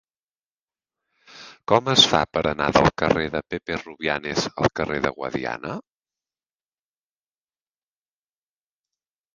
Com es fa per anar del carrer de Pepe Rubianes al carrer del Guadiana?